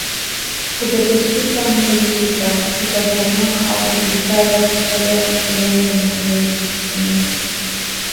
Kupepesuka mwili kukakamaa au kujikaza kusaga meno na mwili kusisimka